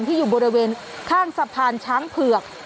อยู่บริเวณข้างสะพานช้างเผือก